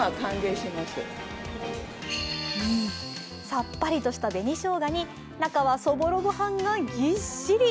さっぱりとした紅しょうがに、中はそぼろ御飯がぎっしり。